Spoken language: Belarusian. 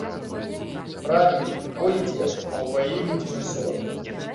Правільна, бой ідзе, а ў баі людзям не соладка.